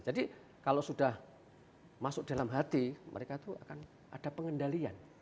kalau sudah masuk dalam hati mereka itu akan ada pengendalian